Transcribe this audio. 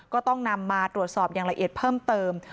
ก็ต้องนำมาตรวจสอบอย่างละเอียดเพิ่มเติม